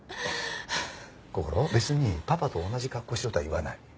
こころ別にパパと同じ格好しろとは言わない。